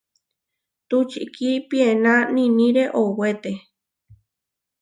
Tučikí piená niʼníre owéte.